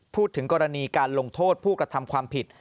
พูดถึงกรณีการลงโทษผู้กระทำความผิด